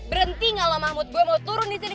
berhenti ngelomah mood gue mau turun disini